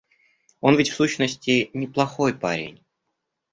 Он ведь, в сущности, неплохой парень.